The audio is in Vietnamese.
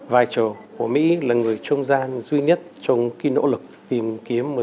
vai trò của mỹ là người trung gian duy nhất trong cái nỗ lực tìm kiếm một nhà nước